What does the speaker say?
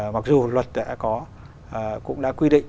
mặc dù luật đã có cũng đã quy định